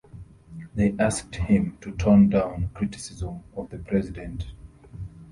They asked him to tone down criticism of the president.